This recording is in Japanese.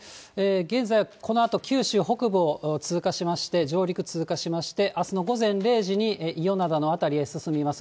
現在、このあと、九州北部を通過しまして、上陸、通過しまして、あすの午前０時に伊予灘の辺りへ進みます。